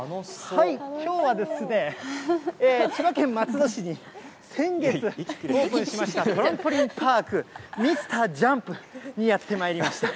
きょうは千葉県松戸市に先月オープンしました、トランポリンパークミスタージャンプにやってまいりました。